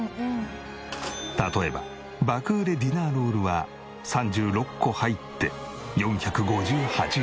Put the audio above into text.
例えば爆売れディナーロールは３６個入って４５８円。